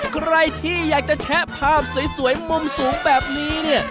ใครที่อยากจะแชะภาพสวยมุมสูงแบบนี้เนี่ย